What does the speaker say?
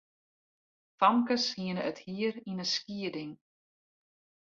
Famkes hiene it hier yn in skieding.